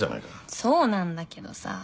そうなんだけどさ。